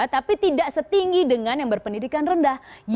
tapi tidak setinggi dengan yang berpendidikan rendah